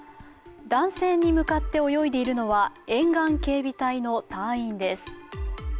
男性に向かって泳いでいるのは沿岸警備隊の隊員です。